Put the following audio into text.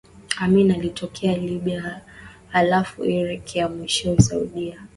Amin alitorokea Libya halafu Iraki na mwishowe Saudia